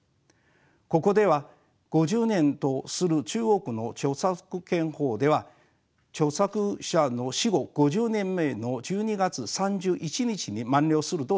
ここでは５０年とする中国の著作権法では著作者の死後５０年目の１２月３１日に満了すると定めています。